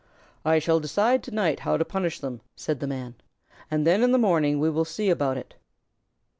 "I shall decide to night how to punish them," said the Man, "and then in the morning we will see about it."